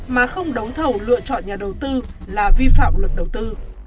mà không đấu thầu lựa chọn nhà đầu tư là vi phạm luật đầu tư